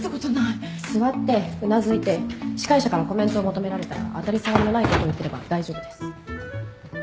座ってうなずいて司会者からコメントを求められたら当たり障りのないことを言ってれば大丈夫です。